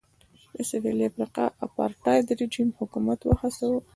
د سوېلي افریقا اپارټایډ رژیم حکومت وهڅاوه.